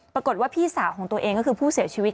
ปรากฏว่าพี่สาวของตัวเองก็คือผู้เสียชีวิต